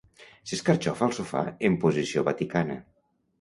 S'escarxofa al sofà en posició vaticana.